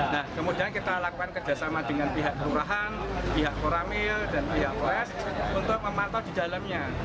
nah kemudian kita lakukan kerjasama dengan pihak lurahan pihak koramil dan pihak wes untuk memantau di dalamnya